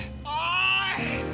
おい！